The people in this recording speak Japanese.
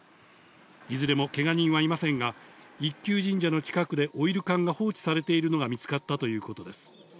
いずれもけが人はいませんが、一宮神社の近くでオイル缶が放置されているのが見つかったということです。